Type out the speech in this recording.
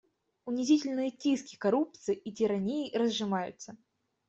Унизительные тиски коррупции и тирании разжимаются.